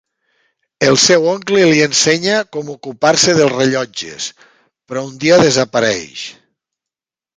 El seu oncle li ensenya com ocupar-se dels rellotges, però un dia desapareix.